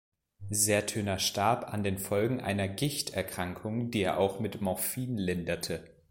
Sertürner starb an den Folgen einer Gicht-Erkrankung, die er auch mit Morphin linderte.